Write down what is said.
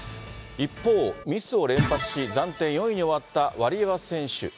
一方、ミスを連発し、暫定４位に終わったワリエワ選手。